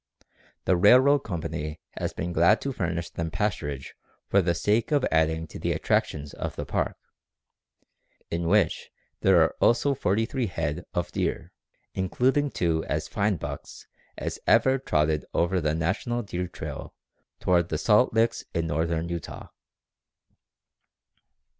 The railroad company has been glad to furnish them pasturage for the sake of adding to the attractions of the park, in which there are also forty three head of deer, including two as fine bucks as ever trotted over the national deer trail toward the salt licks in northern Utah.